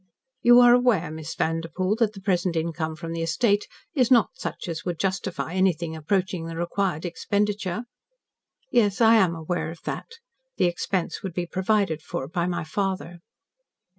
"You are aware, Miss Vanderpoel, that the present income from the estate is not such as would justify anything approaching the required expenditure?" "Yes, I am aware of that. The expense would be provided for by my father."